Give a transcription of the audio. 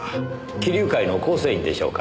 貴龍会の構成員でしょうか？